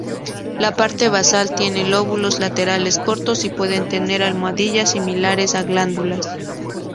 La parte basal tiene lóbulos laterales cortos y pueden tener almohadillas similares a glándulas.